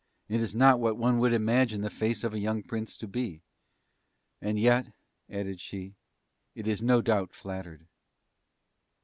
It is not what one would imagine the face of a young Prince to be and yet," added she, "it is no doubt flattered!"